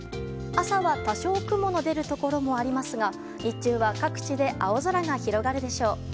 朝は、多少雲の出るところもありますが日中は各地で青空が広がるでしょう。